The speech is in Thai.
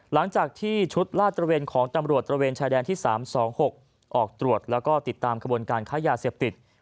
หลังจากที่ชุดลาดตระเวนของตำรวจตระเวนชายแดนที่๓๒๖ออกตรวจแล้วก็ติดตามขบวนการค้ายาเสพติด